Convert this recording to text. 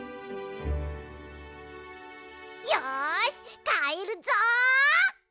よしかえるぞ！